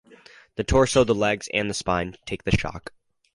The torso, the legs and the spine take the shock.